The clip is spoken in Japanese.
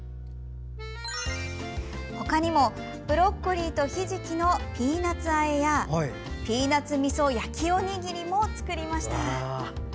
他にも「ブロッコリーとひじきのピーナツあえ」や「ピーナツみそ焼きおにぎり」も作りました。